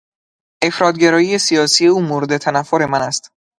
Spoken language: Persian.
افراط گرایی سیاسی او مورد تنفر من است.